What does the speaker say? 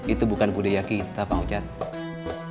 itu bukan budaya kita pak ujad